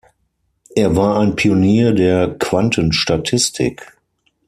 Er war ein Pionier der Quantenstatistik.